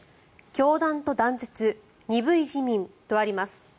教団と断絶、鈍い自民とあります。